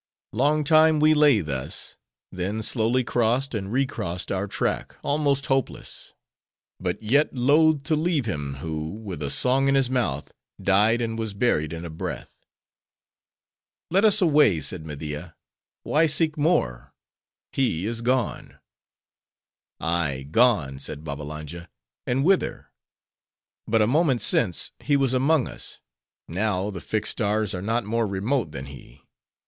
Long time we lay thus; then slowly crossed and recrossed our track, almost hopeless; but yet loth to leave him who, with a song in his mouth, died and was buried in a breath. "Let us away," said Media—"why seek more? He is gone." "Ay, gone," said Babbalanja, "and whither? But a moment since, he was among us: now, the fixed stars are not more remote than he.